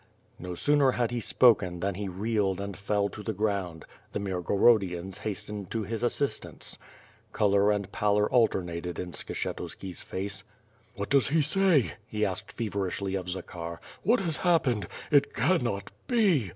No sooner had he spoken, than lie reeled and fell to the ground. The Mirgorodians hastened to his assistance. jgo W^'^B FIRE AND SWORD. Color and pallor alternated in Skshetuski's face. '*VVhat does he say?" he asked feverishly of Zakhar. "What has happened? It cannot be!